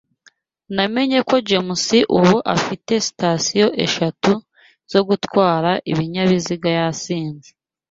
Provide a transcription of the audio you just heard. Namenye ko James ubu afite citations eshatu zo gutwara ibinyabiziga yasinze.